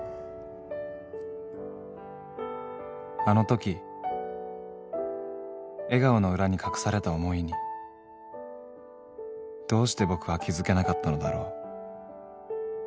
［あのとき笑顔の裏に隠された思いにどうして僕は気付けなかったのだろう？］